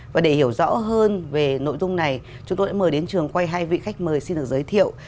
và để hiểu rõ hơn về nội dung này chúng tôi đã mời đến trường quay hai vị khách mời xin được giới thiệu